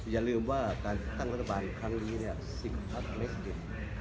อย่าลืมว่าการตั้งรัฐบาลในครั้งนี้๑๐พักเล็ก